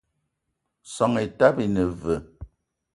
Soan etaba ine veu?